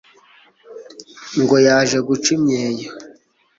ngo yaje guca imyeyo